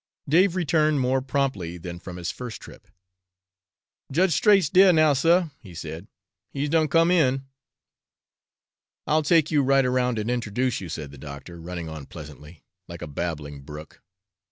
Dave returned more promptly than from his first trip. "Jedge Straight's dere now, suh," he said. "He's done come in." "I'll take you right around and introduce you," said the doctor, running on pleasantly, like a babbling brook.